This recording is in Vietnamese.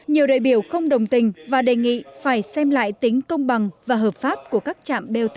nhiều đại biểu không đồng tình và đề nghị phải xem lại tính công bằng và hợp pháp của các trạm bot